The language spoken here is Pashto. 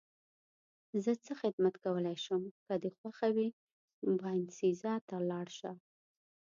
زه څه خدمت کولای شم؟ که دې خوښه وي ته باینسیزا ته ولاړ شه.